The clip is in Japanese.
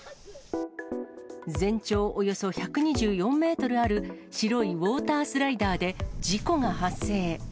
全長およそ１２４メートルある白いウォータースライダーで事故が発生。